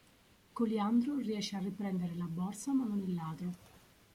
Coliandro riesce a riprendere la borsa ma non il ladro.